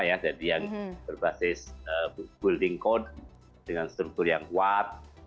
yang berbasis building code dengan struktur yang kuat